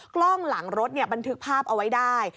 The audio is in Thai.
กล้องหลังรถบันทึกภาพเอาไว้ได้